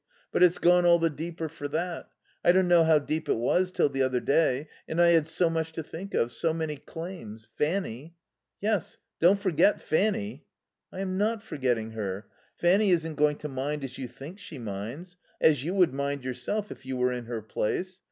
But it's gone all the deeper for that. I didn't know how deep it was till the other day. And I had so much to think of. So many claims. Fanny " "Yes. Don't forget Fanny." "I am not forgetting her. Fanny isn't going to mind as you think she minds. As you would mind yourself if you were in her place.